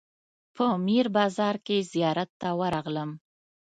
په میر بازار کې زیارت ته ورغلم.